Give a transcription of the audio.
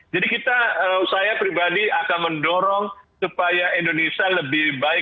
jadi saya pribadi akan mendorong supaya indonesia lebih baik